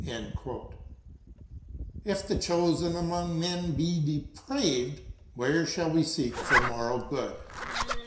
— if the chosen among men be depraved, where shall we seek for moral good